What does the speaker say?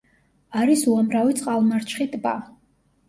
არის უამრავი წყალმარჩხი ტბა.